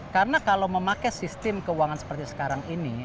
karena kalau memakai sistem keuangan seperti sekarang ini